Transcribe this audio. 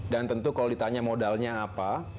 dan tentu kalau ditanya modalnya apa